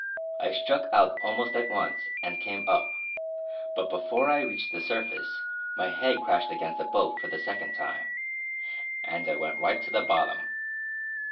I struck out almost at once and came up, but before I reached the surface my head crashed against a boat for the second time, and I went right to the bottom.